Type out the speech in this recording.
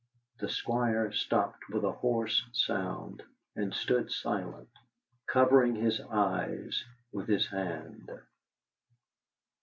The Squire stopped with a hoarse sound, and stood silent, covering his eyes with his hand.